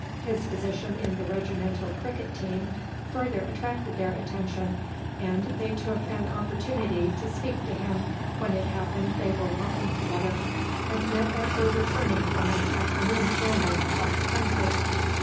His position in the regimental cricket team further attracted their attention, and they took an opportunity to speak to him when it happened they were walking together and met Edgar returning from an afternoon's ramble across the country.